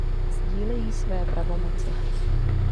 Sdílejí své pravomoci.